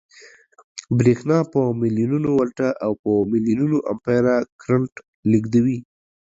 برېښنا په ملیونونو ولټه او په ملیونونو امپیره کرنټ لېږدوي